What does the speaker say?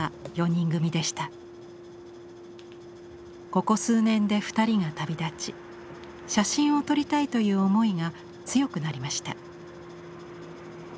ここ数年で２人が旅立ち写真を撮りたいという思いが強くなりました。